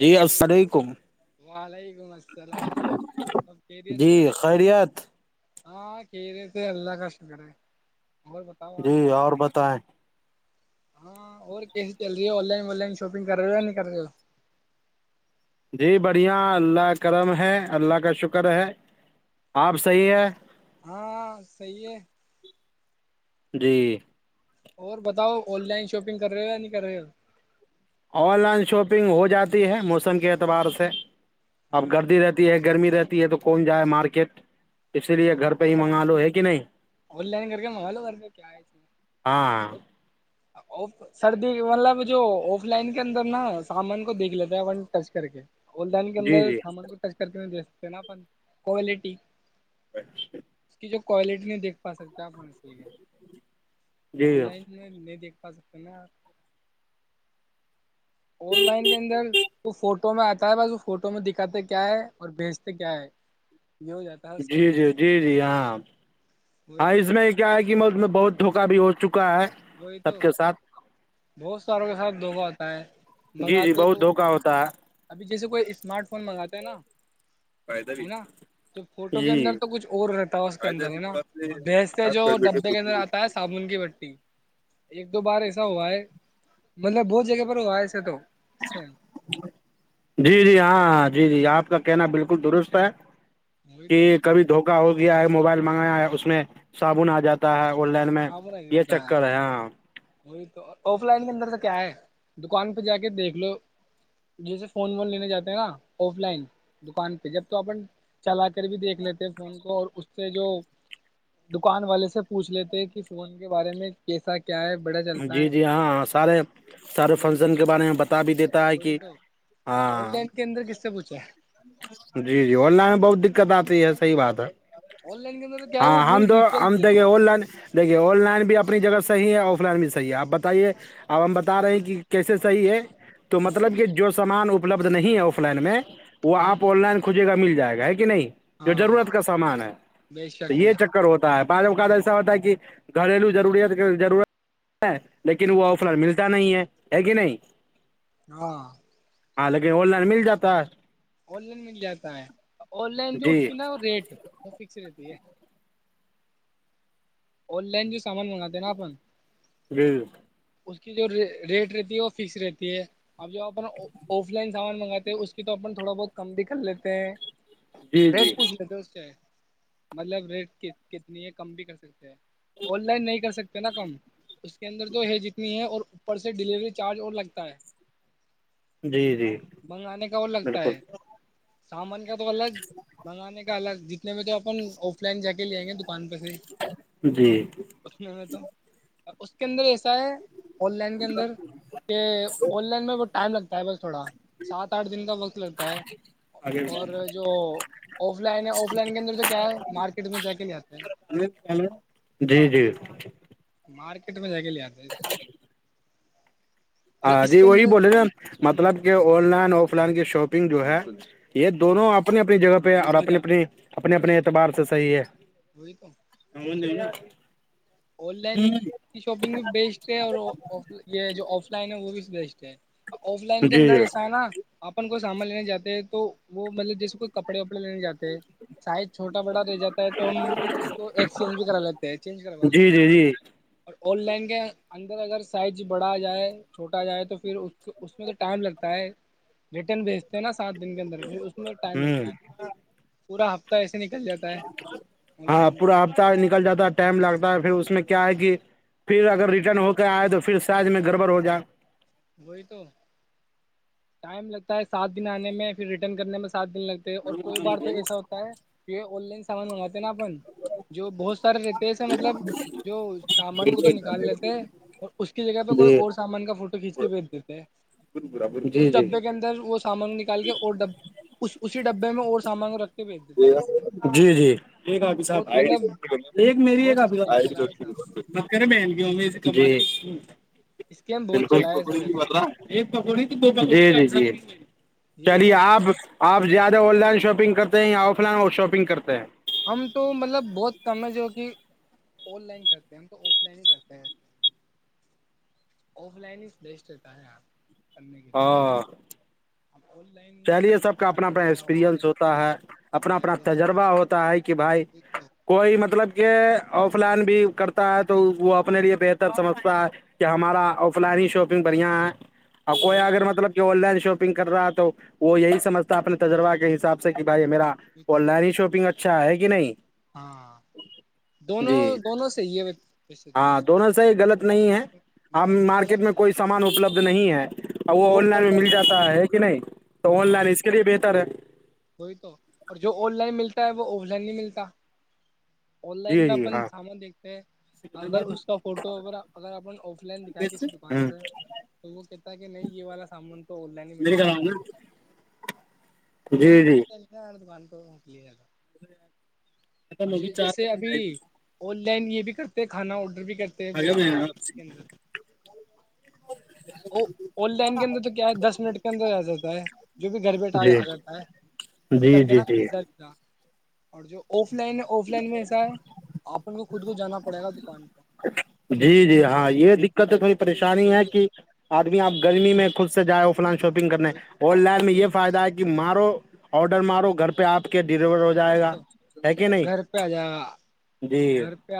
جی hello السلام علیکم وعلیکم السلام آب کیریے جی سے ہو خیریت [unintelligible] ہاں کیرے تھ اللہ کشن کرڑ [unintelligible] جی اور بتائیں [unintelligible] ہاں اور کیسی چل رہی ہے online online shopping کر رہے ہو یا نہیں کر رہے ہو [unintelligible] جی بڑھیا اللہ کرم ہے اللہ کا شکر ہے آپ صحیح ہے [unintelligible] ہاں صی ہے [unintelligible] جی [inaudible] اور بتاؤ آن لائن شاپنگ کر رہے ہو یا نہیں کر رہے ہو [unintelligible] آن لائن شاپنگ ہو جاتی ہے موسم کے اعتبار سے [unintelligible] اب ہاں گردی رہتی ہے [unintelligible] گرمی رہتی ہے تو کون جائے مارکیٹ [unintelligible] اسی لیے گھر پہ ہی منگا لو ہے کہ [unintelligible] کی نہیں [unintelligible] آن لائن کر کے منگالو کر کے کیا ہے اس میں ہاں [unintelligible] ف سردی مطلب جو آف لائن کے اندر نا سامان کو دیکھ لیتا ہے ون ٹچ کر کے [unintelligible] ا ڈائن کے جی اندر جی سامان کو ٹچ کر کے نہیں د [unintelligible] تو نا پن کوالٹی اس کی جو کوائلٹ نہیں دھ پا س کیاپنس گ جی آن لائن میں نہیں دیکھ فضب کر میں آن لائن کے اندر وہ فوٹو میں آتا ہے بس وہ فوٹو میں دکھاتے کیا ہے اور بھیجتے کیا ہے یہ ہو جاتا ہے اس کے جی اندر جی جی جی ہاں وہی ہاں تو اس میں کیا ہے مت میں بہت دھوکا بھی ہو چکا چک وہی ہے سب تو کے ساتھ بہت ساروں کا ساتب دگا آتا ہے جی جی منگاتے بہت تو دھوکا ہوتا ہے ابھی جیسے کوئی اسمارٹ فون منگاتا ہے نا ہے نا جو فوٹو کے جی اندر تو کچھ اور رہتا ہے اس کے اندر ہے نا اور بھیس سے جو ڈبے کے اندر آتا ہے صابن کی بٹی ایک دو بار ایسا ہوا ہے مطلب بہت جگہ پر ہوا ہے ایسا تو اسکین جی جی ہاں ہاں جی جی آپ کا کہنا بالکل درست ہے وہی کہ تو کبھی دھوک ہو گیا ہے موبائل منگایا ہے اس میں صابن آ جاتا ہے آن لائن میں صابن ایسے یہ ہوتا چکر ہے ہاں وہی تو آف لائن کے اندر تو کیا ہے دکان پہ جا کے دیکھ لو جیسے فون وون لینے جاتے ہیں نا آف لائن دکان پہ جب تو اپن چلا کر بھی دیکھ لیتے ہیں فون کو اور اس سے جو دکان والے سے پوچھ لیتے فون کے بارے میں کیسا کیا ہے بڑا چلتا جی ہے جی ہاں ہاں سارے سارے وہی تو فنکشن کے بارے میں بتا بھی دیتا ہے کہ وہی ہاں ج [unintelligible] جی جی آن لائن میں بہت دقت آتی یہ صحی بات ہے آن لائن کے اندر تو کیا ہے وہ ہاں پوری ہم تو ڈیٹیل ہم دے دیتا دیکے ہے آن لائن دیکھیے آن لائن بھی اپنی جگہ سے صح ہے آف لائن بھی صحیح آپ بتائیے اب ہم بتا رہے ہیں کہ کیسے صحیح ہے تو مطلب کہ جو سامان اپلبد نہیں ہے آف لائن میں وہ ہ آن لائن کوجے گ مل جائے گا ہے کہ نہیں جو ضرورت کا ہاں سامان ہے بے تو شک بے یہ شک چکر ہوتا ہے بعض اوقات ایسا ہوتا ہے کہ گھریلو رورت ضرورت ہے لیکن وہ آف لائن ملتا نہیں ہے ہے کہ نہیں ہاں ہاں لیکن آن لائن مل جاتا ہے آن لائن مل جاتا ہے آن لائن جو اس جی کی نا ریٹ وہ فکس رہتی ہے آن لائن جو سمان منگاتے ہیں نا اپن جی اس کی جو ریٹ رہتی ہے وہ فکس رہتی ہے اب جو اپن آف لائن سامان منگاتے ہیں اس کی تو اپن تھوڑا بہت کم بھی کر لیتے ہیں جی جی ریٹ پوچھ لیتے کیا ہے مطلب ریٹ کتنی ہے کم بھی کر سکتے ہیں آن لائن نہیں کر سکتے نا کم اس کے اندر تو ہے ج ت ہے اور اوپر سے ڈلیوری چارج اور لگتا ہے جی جی منگانے کا اور لگتا بالکل ہے سامان [unintelligible] تو الگ منگانے کا الگ [unintelligible] اپن آف لن ج [unintelligible] ل آ گ [unintelligible] دکان پہ سے جی انے میں تو [unintelligible] اس کے اندر ایسا ہے آن لائن کے اندر کہ آن لائن میں ٹم لگتا ہے بس [unintelligible] تھوڑا سات آٹھ دن کا وقت لگتا ہے اور جو آف لائن ہے آف لائن کے اندر تو کیا ہے مارکیٹ میں جا کے لے آتے ہیں جی جی مارکیٹ میں ج لیےیاد ج اس میں اور ہاں اس جی کے وہی اندر بولے ن ہ مطلب کہ آن لائن آف لائن کی شاپنگ جو ہے [unintelligible] یہ ہ دونوں اپنی اپنی جگہ اور اپنے اپنی اپنے اپنے اعتبار سے صحیح ہے وہئی تو [unintelligible] آن لائن کی شاپنگ بھی بیچتے ہیں اور یہ جو آف لائن ا وہ بھی بیسٹ ہے آف لائن کے جی اندر ایسا ہے جی نا اپن کو سامان لینے جاتے ہیں تو وہ مطلب جیسے کوئی کپڑے وپڑے لینے جاتے ہیں سائز چھوٹا بڑا رہ جاتا ہے تو ہم اس کو ایکسچینج بھی کرا لیتے ہیں چینج کروا ج لیتے ہیں جی اور آن لائن کے اندر اگر سائج بڑا آ جائے چھوٹا جائے تو پھر اس کو اس میں تو ٹائم لگتا ہے ریٹرن بھیجتے ہیں نا سات دن کے اندر اس میں ٹائم ہوں لگتا ہے پورا ایسے نکل جاتا ہے آن ہاں لائن میں۔ پورا آتا ہے ن جاتا ٹائم لگتا ہے پھر اس میں کیا ہے کہ پھر اگر ریٹرن ہو کر آئے تو پھر سائز میں گڑبڑ ہو جائے وہی تو ٹائم لگتا ہے سات دن آنے میں پھر ریٹرن کرنے میں سات دن لگتے ہیں اور کوئی بار تو ایسا ہوتا ہے کہ آن لائن سامان مگے نا اپن جو بہت سارے رہتےس مطلب جو سامان کو تو نکال لیتے اور اس کی جگہ پہ کوئی جی اور سامان کا فوٹو کھینچتا بھیج دیتے ہیں جی اس جی ڈبے کے اندر وہ سامان نکال کے اور ڈبے اس اسی ڈبے میں اور سامان رکھتے جی جی ایک حپی صح بہت مطلب ایک میری ایک بہت اسکیم چلایا تھا ب کریں ب کی ا سے جی اسکیم بہت چلایا تھا دیکھو بک جی جی جی یہی چلیے تو آپ آپ زیادہ آن لائن شاپنگ کرتے ہیں یا آف لائن اور شاپنگ کرتے ہیں ہم تو مطلب بہت کم ہے جو کہ آن لائن کرتے ہیںف لائ ہی کرتے ہیںف لائن ہیتا ہے کرنے کے لیے ہاں اب آن لائن میں چلیے کون سب کا کیا اپنا اپنا کرے گا آن لائن ایکسپیرئنس ہوتا ہے اپنا پڑتا ہے اپنا پھر تجربہ ہوتا ہے کہ بھائی تو کوئی مطلب کہ آف لائن بھی کرتا ہے تو وہ اپنے لیے بہتر سمجھتا ہے کہ ہمارا آف لائن ہی شاپنگ بڑھیا ہے اور کوئی اگر وہی مطلب کہ لش گ کر رہا تھا وہ یہی سمجتا اپنے تجربہ کے حساب سے کہ بھ میرا تو آن لائن ہی شاپنگ اچھا اچھا ہے کہ نہیں ہاں دونوں جی دونوں صحیح ہے ویسے تو ہاں دونوں سےی غلط نہیں ہے دونوں ہمب مارکیٹ غلط میں نہیں کوئی سامان اپلبد نہیں ہے ا وہ آن لائن میں مل جاتا ہے کہ نہیں گا آن ہاں لائن اور اس کے لیے بہتر ہے وہی تو اور جو آن لائن ملتا ہے وہ آف لائن نہیں ملتا آن لائن جی میں جی اپن ہاں سامان دیکھتے ہیں اگر اس کا فوٹو ا اگر اپ آف لائن دکھایا کسی دکان ہ پہ تو وہ کہتا ہے کہ نہیں یہ والا سامان تو آن لائن ہی ملے گا یہ جی جی یہلنٹرت کیاا دکان کو کیے جاتا اور جیسے ابھی اولی ن یہ بھی کرتے ہیںھانا آرڈر بھی کرتے ہیں بہت سارے س کے اندر آن لائن کے اندر تو کیا ہے دس منٹ کے اندر آ جاتا ہے جو بھی گھر بیٹھا جی آ جاتا ہے جیسے جی کرتے جی نا جی پیا اور جو ا لائن آف لائن میں ایسا ہے آپ ل خود کو جانا پڑ گا دکان پہ جی جی ہاں یہ دقت ہے تھوڑی پریشانی ہے کہ آدمی آپ گرمی میں خود سے جا ہو لائن شاپنگ کرنے آن لائن میں یہ فائدہ ہے کہ مال آڈر مارو گھر پہ آپ کے ڈیلیور ہو جائے وہئی گا تو ہے کہ نہیں گھر پہ آ جائے گا جی گھر پہ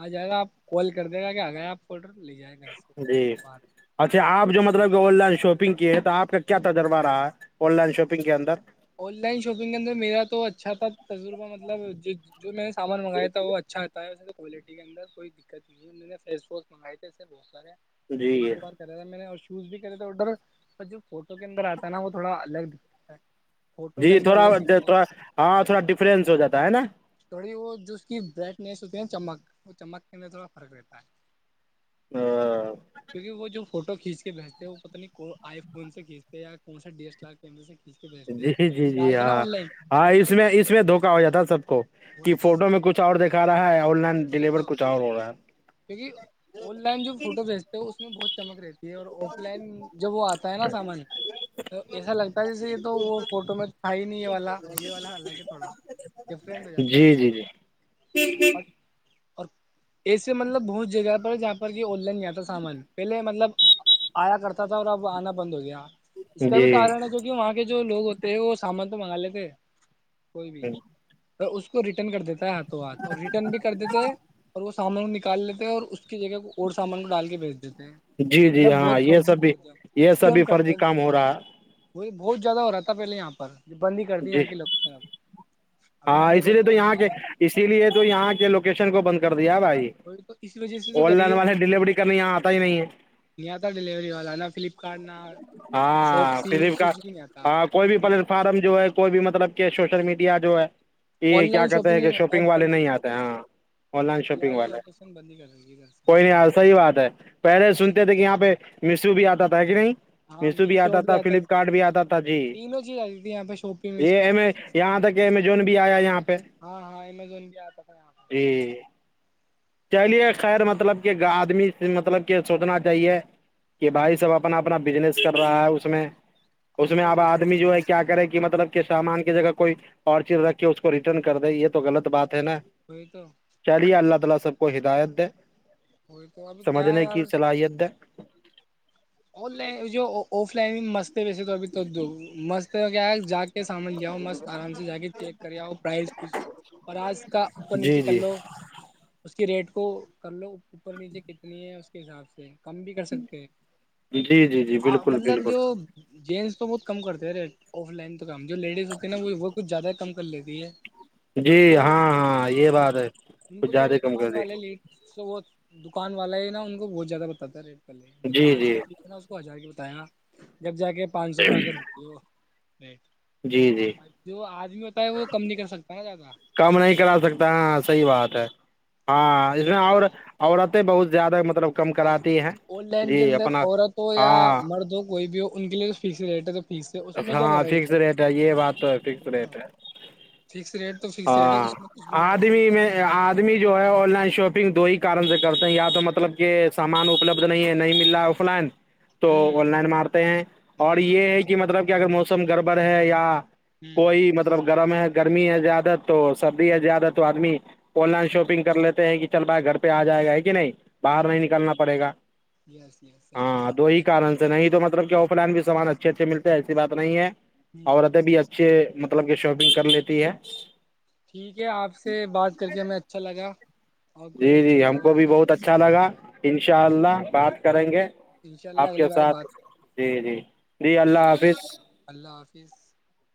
آ جائے گا آپ کال کر د گا کہ آاں گئے آپ کوڈر جی اچھا آپ جو مطلب آن لائن شاپنگ کیے آ کا کیا تجربہ رہا ہے آن لائن شاپنگ کے اندر آن لائن شاپنگ کے اندر میرا تو اچھا تھا تجربہ مطلب جو میں نے سامان منگایا تھا وہ اچھا تھا بتایا ہے اسے کوالٹی کے اندر کوئی دقت ہے ان میں نے فیس واش منگائے تھے اسے بہ سارے ایک جی دو بار کرا تھا میں نے اور چوز بھی کرے تو ادر جو فوٹو کے اندر آتا ہے نا وہ تھوڑا الگ دکھتا ہے فوٹو جی کے اندر تھوڑا الگ دکھتے ہے تھڑا ہاں تھوڑا ڈفرینس ہو جاتا ہے نا تھوڑی وہ جو اس کی برائٹنیس ہوتی ہے نا چمک وہ چمک کے اندر تھوڑا فرق رہتا ہے ہاں، کیونکہ وہ جو فوٹو کھینچ کے بھیجتے ہیں وہ پہ نہیں کو آئی فون سے کھینچتے یا کون سے ڈی ایس ایل آر کیمرے سے کھینچ کے بھیجتے ہیں جی جی جی ڈالتے نا ہاں آن لائن ہاں اس میں اس میں دھوکا ہو جاتا سب کو کہ وہی تو فوٹو میں کچھ اور دکھا رہا ہے اور لائن وہی ڈیلیور تو کچھ ہو رہا ہے کیونکہ آن لائن جو فوٹو بھیجتے ہو اس میں بہت تمگر یہ اور آف لائن جب وہ آتا ہے نا سامان ایسا لگتا ہے جیسے یہ تو وہ فوٹو میں تھا ہی نہیں یہ والا یہ والا الگ ہے تھوڑا ڈفرینٹ ہو جاتا ہے ٹھیک ٹھیک اور اور ایسے مطلب بہت جگہ پر جہاں پر کہ آن لائن نہیں آتا سامان پہلے مطلب آیا کرتا تھا اور اب آنا بند ہو گیا اس کا بھی کارن ہے جی جو کہ وہاں کے جو لوگ ہوتے ہیں وہ سامان م م گل کے کوئی بھی اس کو ریٹرن کر دیتا ہے ہاتھوں اور ریٹرن بھی کر دیتے ہیں اور اس [unintelligible] سامان نکال لیتے ہیں اور اس [unintelligible] اس کی جگہ کو اور سامان کو ڈال کے بھیج دیتے ہیں جی جی مطلب بہت ہاں یہ سب فرجیت بھی کرتے ہیں یہ اس لی سب ہم بھی فرضی کرتے ہیں کام ہو رہا ہے [unintelligible] وہی بہت زیاد ہو رہا تھا پہلے یہاں پر [unintelligible] ج بند ہی کر دی جی یہ کے لوگ [unintelligible] ہاں اسی لیے تو یہاں کے اسی لیے تو یہاں کے لوکیشن کو بند کرتا [unintelligible] بھائی وہی تو اس وجہ سے تو آن لائن کریے والے ڈیلیوری کرنے یہاں آتا ہی نہیں ہے نہیں آتا ڈیلیوری والا نہ فلپکارٹ نہ ہاں شاپسی کچھ فلپکارٹ بھی نہیں آتا آپ ہاں کوئی بھی میشو پلیٹ پہ فارم جو ہے [unintelligible] کوئی بھی مطلب کہ سوشل میڈیا جو ہے [unintelligible] یہ آن کیا لائن کہتے ہیں کہ شاپنگ ایپ والے بند کر نہیں رہا آتے ہاں آن لائن ہے یہ شاپنگ والی والے لوکیشن بند ہی کر رہی ہے ادھر کوئی نہیں یار صحیح بات ہے پہلے سنتے سے تھے کہ یہاں پہ مشرو بھی آتا تھا کہ نہیں [unintelligible] میشو بھی آتا تھا فلپکارٹ بھی آتا تھا جی تینوں چیز آتی تھی یہاں پہ شاپنگ یہ میں سب۔ یہاں تک کہ جو بھی آیا یہاں پہ ہاں ہاں امیزون بھی آتا تھا یہاں پہ جی [unintelligible] چلیے خیر مطلب کہ آدمی مطلب کہ سوچنا چاہیے کہ بھائی سب اپنا اپنا بزنس کر رہا ہے اس میں اس میں تو اب وہی آدمی جو ہے کیا کرے گ مطلب کہ سامان کی جگہ کوئی [unintelligible] اور چر رکھ کے اس کو ریٹرن کر دے یہ توغلط بات [unintelligible] تو [unintelligible] سب کو ہدایت دے وہی تو اب [unintelligible] سمجھنے کی صلاحیت د ہے آ لائ جو [unintelligible] ل مستتے ویسے تو ابھی تو د مست کیا ہے جاگ [unintelligible] سامان لےؤ مست آرام سے جا کے چیک کر آؤ پرائز پوچھیے اور آج کا اوپر نیچے جی کر جی لو اس [unintelligible] اس کی ریٹ کو کر لو اوپر نیچے کتنی ہے اس کے حساب سے [unintelligible] کم بھی کر سکتے ہیں [unintelligible] جی جی جی بالکل بالکل [unintelligible] ینس تو بہت کم کرتے ہیں ریٹ آف لائن [unintelligible] م جو لیڈیز ہوتی ہیں ن وہ کچھ زیادہ کم [unintelligible] بلے بھی ہے [unintelligible] جی وہ ہاں ہاں یہ وہی بات ہے تو ان کچھ کو جو زیادہ کم کر دکان دیی والے لیٹ تو وہ دکان والا ہے نا ان کو بہت زیادہ باتا ہے ریٹ پے جو جی پانچ جی سوپ [unintelligible] کو آ جا کے بتیا جب جا کے [unintelligible] ے پانچ سو پ آ کے رتے [unintelligible] جی جی اور جو آدمی ہوتا ہے وہ کم نہیں کر سکتا ن زیادہ [unintelligible] کم نہیں کرا سکتا ہاں صحیح بات ہے [unintelligible] ہاں [inaudible] [inaudible] بہت زیادہ مب [unintelligible] اب آن لائن کے اندر عورت ہو یا ہاں مرد ہو کوئی بھی ہو ان کے لیے فکس ریٹ ہے تو فکس ہے اس میں کیا ہاں کرا فکس گ ریٹ ہے یہ بات تو ہے فکس ھ ریٹ ہے فکس ریٹ تو فکس [unintelligible] ہاں کچھ بھی نہیں کر آدمی سکتے میں آدمی جو ہے آن لائن شاپنگ دو ہی [unintelligible] کارن سے کرتے ہیں یا تو مطلب کہ سامان اپلبدھ نہیں ہے نہیں مل رہا ہے آف لائن [unintelligible] تو ہوں آن لائن مارتے ہیں اور وہی تو یہ ہے کہ مطلب [unintelligible] کہ اگر موسم گڑبڑ ہے یا [unintelligible] ہوں کوئی مطلب [unintelligible] گرم ہے گرمی ہے زیادہ [unintelligible] تو سردیاں زیادہ تو آدمی [unintelligible] آن لائن شاپنگ کر لیتے ہیں کہ [unintelligible] چل پا ہے گھر پہ آ جائے گا ہے کہ نہیں [unintelligible] باہر ہاں نہیں نکلنا پڑے گا یس یس صحیح بات ہاں دو ہی کارن [unintelligible] نہیں توطلب آف لائن بھی سامان اچھے اچھے ملتے ایسی بات نہیں ہے [unintelligible] ہوں عورتیں بھی اچھے [unintelligible] مطلب کہ شاپنگ کر لیتی ہے ٹھیک ہے آپ سے بات کر کے ہمیں اچھا لگا آپ کو جی بھی جی اچھا لگا ہم ہوا کو بھی سے بات بہت اچھا لگا انشاء اللہ بات کریں گے ان شاء اللہ آپ کے اگلی بار ساتھ بات جی جی جی اللہ حافظ پچیس [inaudible]